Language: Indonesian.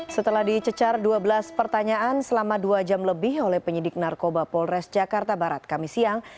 setelah dicecar dua belas pertanyaan selama dua jam lebih oleh penyidik narkoba polres jakarta barat kami siang